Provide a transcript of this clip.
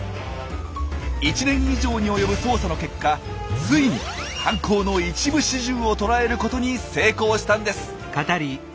１年以上に及ぶ捜査の結果ついに犯行の一部始終をとらえることに成功したんです！